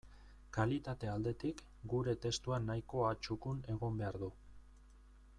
Kalitate aldetik, zure testua nahikoa txukun egon behar du.